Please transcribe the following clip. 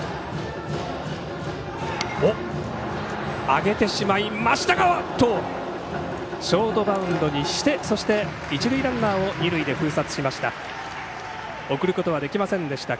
上げてしまいましたがショートバウンドして一塁ランナーを二塁で封殺しました。